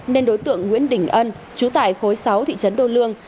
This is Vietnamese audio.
nên đối tượng nguyễn đình ân chú tại khối sáu thị trấn đô lương